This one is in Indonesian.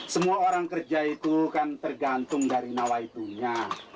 semua orang kerja itu kan tergantung dari nawaitunya